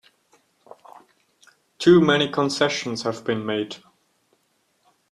Too many concessions have been made!